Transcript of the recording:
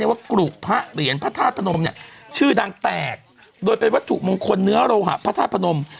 ว่ากรุพระเหรียญพระธาตุพนมเนี่ยชื่อดังแตกโดยเป็นวัตถุมงคลเนื้อโลหะพระธาตุพนม